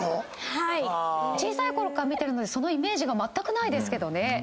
小さいころから見てるのでそのイメージがまったくないですけどね。